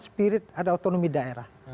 spirit ada otonomi daerah